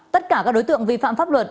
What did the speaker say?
tất cả các đối tượng vi phạm pháp luật